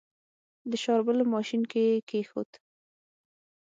د شاربلو ماشين کې يې کېښود.